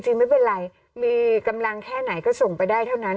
ไม่เป็นไรมีกำลังแค่ไหนก็ส่งไปได้เท่านั้น